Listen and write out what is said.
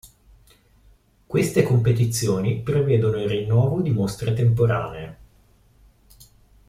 Queste competizioni prevedono il rinnovo di mostre temporanee.